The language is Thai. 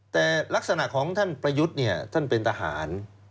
แต่ลักษณะของท่านประยุทธ์เนี่ยท่านเป็นทหาร